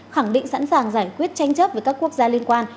khẳng định sẵn sàng giải quyết tranh chấp với các quốc gia liên quan